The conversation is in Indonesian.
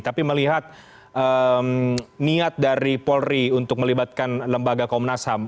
tapi melihat niat dari polri untuk melibatkan lembaga komnas ham